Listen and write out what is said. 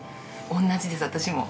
同じです私も。